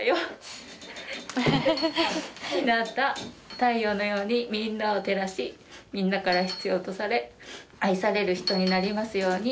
太陽のようにみんなを照らしみんなから必要とされ愛される人になりますように。